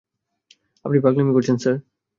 আপনি পাগলামি করছেন, স্যার!